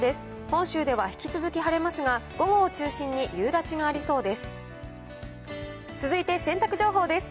本州では引き続き晴れますが、午後を中心に夕立がありそうです。